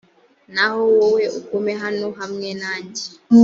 naho wowe, ugume hano hamwe nanjye;